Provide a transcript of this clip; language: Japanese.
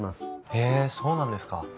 へえそうなんですか。